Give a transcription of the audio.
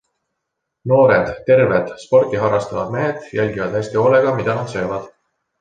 Noored, terved, sporti harrastavad mehed jälgivad hästi hoolega, mida nad söövad.